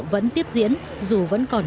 vẫn tiếp diễn dù vẫn còn